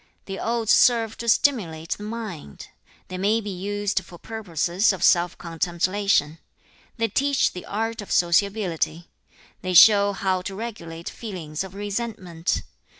2. 'The Odes serve to stimulate the mind. 3. 'They may be used for purposes of self contemplation. 4. 'They teach the art of sociability. 5. 'They show how to regulate feelings of resentment.